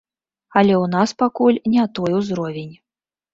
Але ў нас пакуль не той узровень.